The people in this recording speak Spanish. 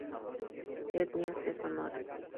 Etnias de Sonora